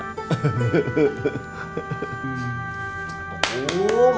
tanpa biaya dari bapaknya